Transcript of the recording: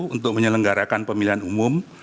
untuk menyelenggarakan pemilihan umum